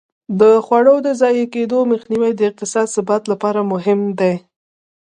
د خواړو د ضایع کېدو مخنیوی د اقتصادي ثبات لپاره مهم دی.